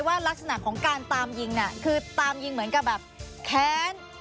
ลักษณะของการตามยิงน่ะคือตามยิงเหมือนกับแบบแค้น